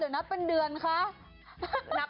นับเป็นงวดหรือนับเป็นเดือนคะ